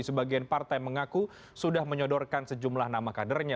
sebagian partai mengaku sudah menyodorkan sejumlah nama kadernya